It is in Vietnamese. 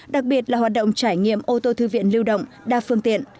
đặc biệt là hoạt động trải nghiệm ô tô thư viện lưu động đa phương tiện